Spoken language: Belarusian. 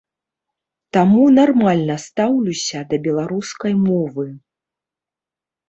Таму нармальна стаўлюся да беларускай мовы.